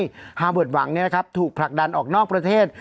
ทำให้ฮาร์เวิร์ดหวังนะครับถูกผลักดันออกนอกประเทศ